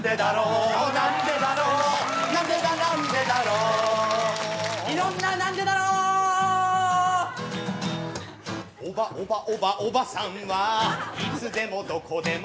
「おばおばおばおばおばさんはいつでもどこでも」